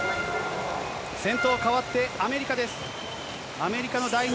先頭代わってアメリカです。